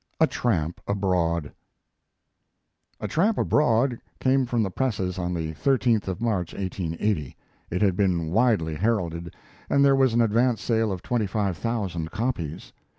"A TRAMP ABROAD" 'A Tramp Abroad' came from the presses on the 13th of March, 1880. It had been widely heralded, and there was an advance sale of twenty five thousand copies.